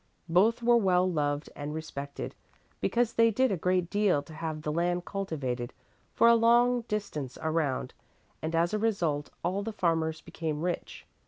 Both were well loved and respected, because they did a great deal to have the land cultivated for a long distance around and as a result all the farmers became rich.